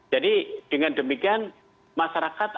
jadi dengan demikian masyarakat akan mengikuti terhadap tim